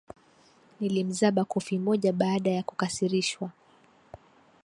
Nilimzaba kofi moja baada ya kukasirishwa.